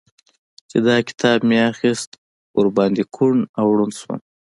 چې دا کتاب مې اخيست؛ ور باندې کوڼ او ړونډ شوم.